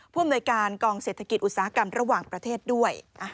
อำนวยการกองเศรษฐกิจอุตสาหกรรมระหว่างประเทศด้วย